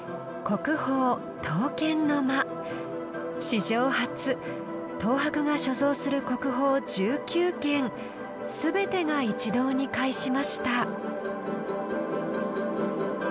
史上初東博が所蔵する国宝１９件全てが一堂に会しました。